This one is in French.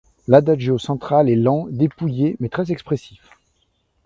L'adagio central est lent, dépouillé mais très expressif.